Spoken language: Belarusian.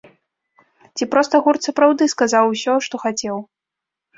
Ці проста гурт сапраўды сказаў усё, што хацеў?